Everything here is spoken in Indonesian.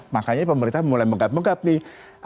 makanya pemerintah mulai menggap menggap nih